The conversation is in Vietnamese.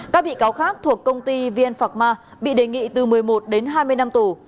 các bị cáo khác thuộc công ty vn phạc ma bị đề nghị từ một mươi một đến hai mươi năm tù